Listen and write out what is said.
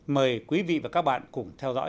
mời quý vị và các bạn cùng theo dõi